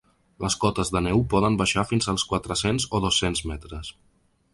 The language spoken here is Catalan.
Les cotes de neu poden baixar fins als quatre-cents o dos-cents metres.